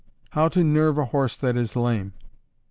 _How to nerve a horse that is lame.